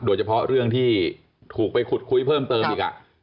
โดยเฉพาะเรื่องที่ถูกไปขุดคุยเพิ่มเติมอีก